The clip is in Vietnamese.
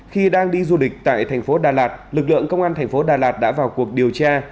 khi đang đi du lịch tại thành phố đà lạt lực lượng công an thành phố đà lạt đã vào cuộc điều tra